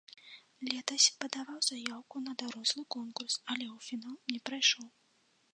Летась падаваў заяўку на дарослы конкурс, але ў фінал не прайшоў.